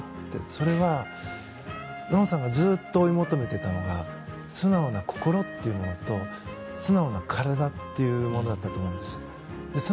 それは、奈緒さんがずっと追い求めていたのが素直な心というのと素直な体というものだったと思うんです。